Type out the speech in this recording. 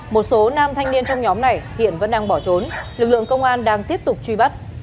một số nam thanh niên trong nhóm này hiện vẫn đang bỏ trốn lực lượng công an đang tiếp tục truy bắt